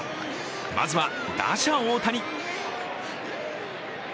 まずは、打者・大谷。